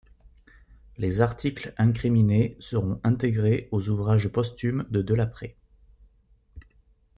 Les articles incriminés seront intégrés aux ouvrages posthumes de Delaprée.